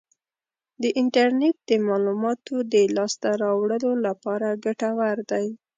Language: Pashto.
د انټرنیټ د معلوماتو د لاسته راوړلو لپاره ګټور دی.